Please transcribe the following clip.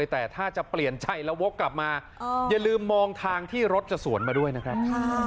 แต่ถ้าจะเปลี่ยนใจแล้ววกกลับมาอย่าลืมมองทางที่รถจะสวนมาด้วยนะครับ